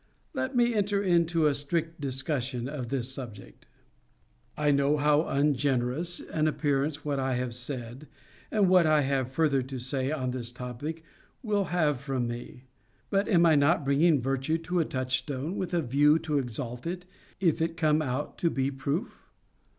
Let me enter into a strict discussion of this subject. I know how ungenerous an appearance what I have said, and what I have further to say, on this topic, will have from me: But am I not bringing virtue to the touchstone, with a view to exalt it, if it come out to be proof?